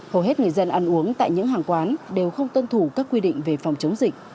hầu hết người dân ăn uống tại những hàng quán đều không tuân thủ các quy định về phòng chống dịch